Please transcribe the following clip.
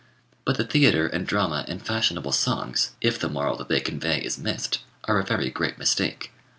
But the theatre and dramas and fashionable songs, if the moral that they convey is missed, are a very great mistake.